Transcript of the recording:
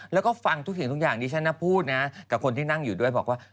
แล้วก็ฟังทุกสิ่งทุกอย่างที่ฉันพูดนะกับคนที่นั่งอยู่ด้วยบอกว่า